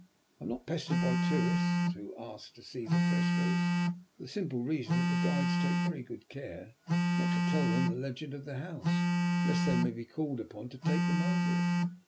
I am not pestered by tourists who ask to see the frescoes, for the simple reason that the guides take very good care not to tell them the legend of the house, lest they may be called upon to take them over it.